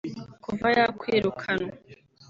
Kuva yakwirukanwa